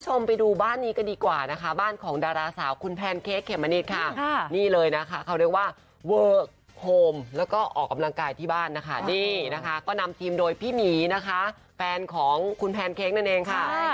คุณผู้ชมไปดูบ้านนี้ก็ดีกว่านะคะบ้านของดาราสาวคุณแพนเค้กเขมมะนิดค่ะนี่เลยนะคะเขาเรียกว่าเวอร์โฮมแล้วก็ออกกำลังกายที่บ้านนะคะนี่นะคะก็นำทีมโดยพี่หมีนะคะแฟนของคุณแพนเค้กนั่นเองค่ะ